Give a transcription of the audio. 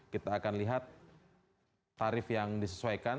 kita akan lihat tarif yang disesuaikan